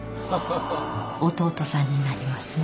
弟さんになりますね。